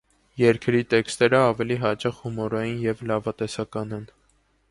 Երգերի տեքստերը ավելի հաճախ հումորային և լավատեսական են։